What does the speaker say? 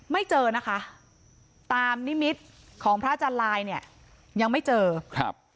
ไม่เจอนะคะตามนิมิตของพระอาจารย์ลายเนี่ยยังไม่เจอครับ